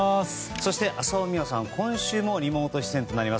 そして浅尾美和さんは今週もリモート出演となります。